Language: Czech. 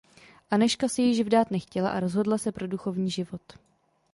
Anežka se již vdát nechtěla a rozhodla se pro duchovní život.